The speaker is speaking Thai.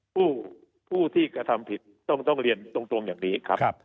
ผู้ผู้ที่กระทำผิดต้องต้องเรียนตรงตรงอย่างนี้ครับครับ